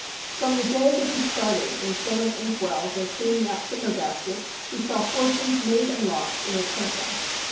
From the day that he started in filling inkwells and cleaning out ticker baskets, he saw fortunes made and lost in a twinkling.